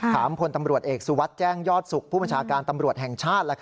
พลตำรวจเอกสุวัสดิ์แจ้งยอดสุขผู้บัญชาการตำรวจแห่งชาติ